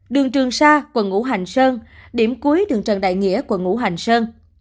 đường trường sa quận ngũ hành sơn điểm cuối đường trần đại nghĩa quận ngũ hành sơn